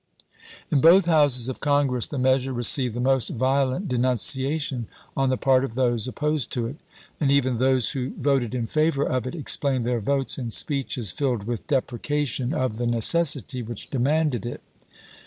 In both Houses of Congress the measure received the most violent denunciation on the part of those opposed to it, and even those who voted in favor of it explained their votes in speeches filled with deprecation of the necessity which demanded it.